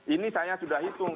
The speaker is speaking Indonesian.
ini saya sudah hitung